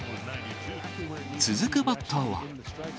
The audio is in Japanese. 続くバッターは。